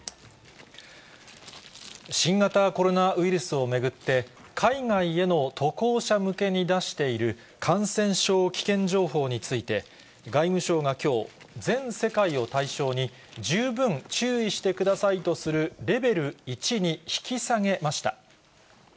新型コロナウイルスを巡って、海外への渡航者向けに出している感染症危険情報について、外務省がきょう、全世界を対象に十分注意してくださいとする、レベル１に引き下げました。